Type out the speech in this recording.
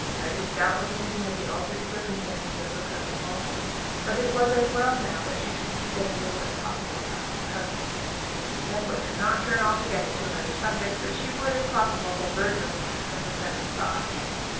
Mary was doubtless thinking of the altered circumstances of her cousin Walter; but it was as well now that she should speak as little as possible about that cousin. Mrs. Fenwick could not turn altogether to another subject, but she would, if possible, divert her friend from her present thoughts.